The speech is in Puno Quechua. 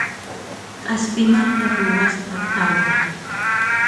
K'aspimanta ruwasqa tawna